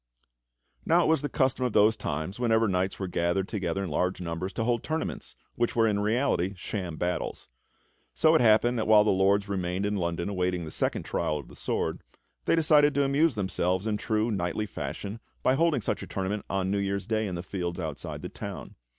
Now it was the custom of those times, whenever knights were gathered together in large numbers, to hold tournaments, which were in reality sham battles. So it happened that while the Lords remained in London awaiting the second trial of the sword, they decided to amuse themselves in true knightly fashion by holding such a tournament on New Year's Day in the fields outside the town.